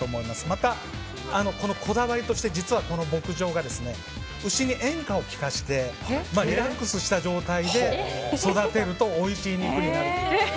また、こだわりとして実はこの牧場が牛に演歌を聴かせてリラックスした状態で育てるとおいしい肉になるという。